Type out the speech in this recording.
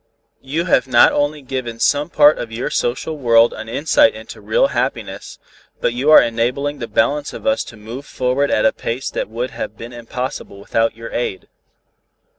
You have not only given some part of your social world an insight into real happiness, but you are enabling the balance of us to move forward at a pace that would have been impossible without your aid."